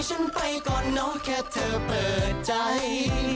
ฉันไปก่อนเนาะแค่เธอเปิดใจ